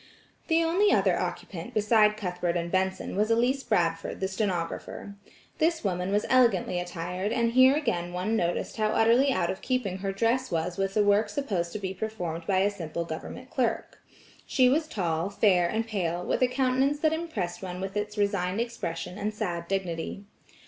The only other occupant beside Cuthbert and Benson was Elise Bradford the stenographer. This woman was elegantly attired, and here again one noticed how utterly out of keeping her dress was with the work supposed to be performed by a simple government clerk. She was tall, fair and pale, with a countenance that impressed one with its resigned expression and sad dignity.